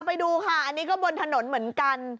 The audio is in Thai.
ไปดูค่ะอันนี้ก็บนถนนเหมือนกัน